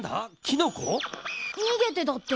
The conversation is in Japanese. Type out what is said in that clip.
にげてだって。